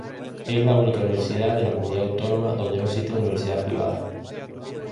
Es la única universidad de la comunidad autónoma, donde no existen universidades privadas.